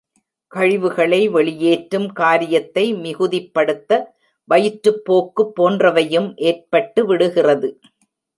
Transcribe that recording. கழிவுகளை வெளியேற்றும் காரியத்தை மிகுதிப்படுத்த, வயிற்றுப் போக்கு போன்றவையும் ஏற்பட்டு விடுகிறது.